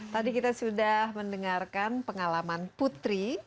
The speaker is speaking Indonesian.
tadi kita sudah mendengarkan pengalaman putri